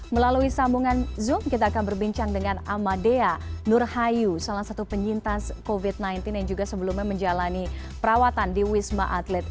melalui sambungan zoom kita akan berbincang dengan amadea nurhayu salah satu penyintas covid sembilan belas yang juga sebelumnya menjalani perawatan di wisma atlet